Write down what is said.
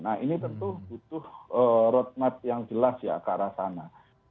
nah ini tentu butuh roadmap yang jelas ya ke arah sana